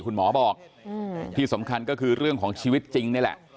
คุณหมอบอกที่สำคัญก็คือเรื่องของชีวิตจริงนี่แหละ